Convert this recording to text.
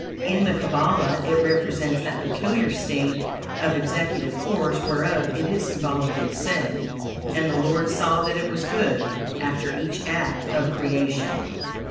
In the Kabbalah it represents that peculiar state of executive force whereof it is symbolically said: "And the Lord saw that it was good," after each act of creation.